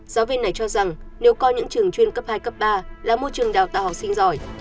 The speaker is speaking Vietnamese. giáo viên này cho rằng nếu coi những trường chuyên cấp hai cấp ba là môi trường đào tạo học sinh giỏi